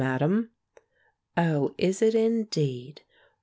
Madam/' Oh, is it indeed?